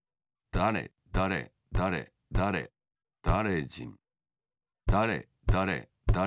だれだれだれだれだれじん。